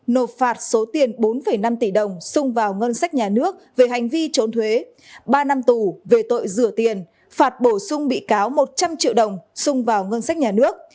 nộp phạt số tiền bốn năm tỷ đồng sung vào ngân sách nhà nước về hành vi trốn thuế ba năm tù về tội rửa tiền phạt bổ sung bị cáo một trăm linh triệu đồng xung vào ngân sách nhà nước